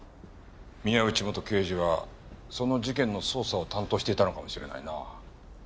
宮内元刑事はその事件の捜査を担当していたのかもしれないな。